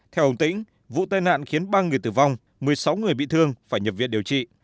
theo ông tĩnh vụ tai nạn khiến ba người tử vong một mươi sáu người bị thương phải nhập viện điều trị